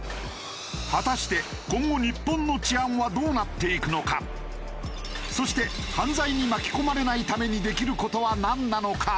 果たしてそして犯罪に巻き込まれないためにできる事はなんなのか？